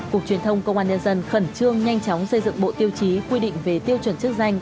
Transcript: cục truyền thông công an nhân dân khẩn trương nhanh chóng xây dựng bộ tiêu chí quy định về tiêu chuẩn chức danh